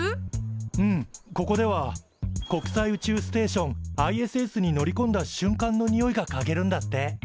うんここでは国際宇宙ステーションＩＳＳに乗りこんだしゅんかんのにおいがかげるんだって。